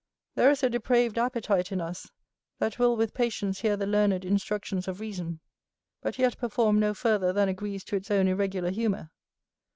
There is a depraved appetite in us, that will with patience hear the learned instructions of reason, but yet perform no further than agrees to its own irregular humour.